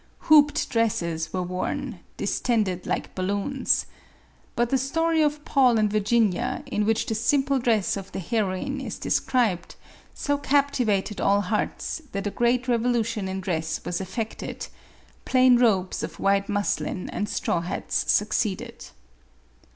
Hooped dresses were worn, distended like balloons. But the story of Paul and Virginia, in which the simple dress of the heroine is described, so captivated all hearts that a great revolution in dress was effected ; plain robes of white muslin and straw hats succeeded.